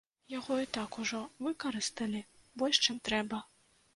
Яго і так ужо выкарысталі больш, чым трэба.